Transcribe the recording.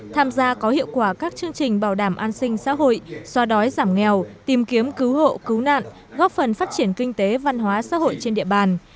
tham gia có hiệu quả các chương trình bảo đảm an sinh xã hội xoa đói giảm nghèo tìm kiếm cứu hộ cứu nạn góp phần phát triển kinh tế văn hóa xã hội trên địa bàn